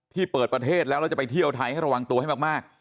เปิดประเทศแล้วแล้วจะไปเที่ยวไทยให้ระวังตัวให้มาก